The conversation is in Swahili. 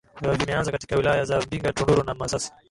vimeanzia katika wilaya za Mbinga Tunduru na Masasi